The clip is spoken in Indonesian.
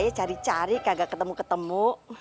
cari cari kagak ketemu ketemu